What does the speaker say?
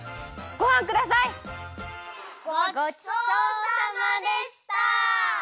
ごちそうさまでした！